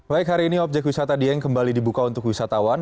baik hari ini objek wisata dieng kembali dibuka untuk wisatawan